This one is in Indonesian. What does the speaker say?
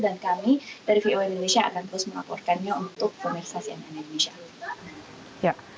dan kami dari voa indonesia akan terus melaporkannya untuk pemeriksaan indonesia